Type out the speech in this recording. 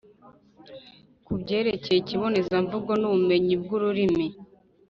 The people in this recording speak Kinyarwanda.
ku byerekeye ikibonezamvugo n’ubumenyi bw’ururimi,